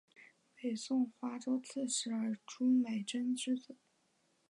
北魏华州刺史尔朱买珍之子。